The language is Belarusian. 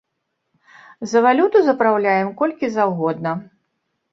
За валюту запраўляем колькі заўгодна.